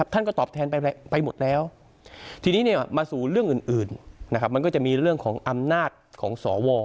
ท่านก็ตอบแทนไปหมดแล้วทีนี้มาสู่เรื่องอื่นมันก็จะมีเรื่องของอำนาจของสว